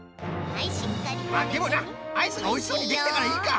まあでもなアイスがおいしそうにできたからいいか！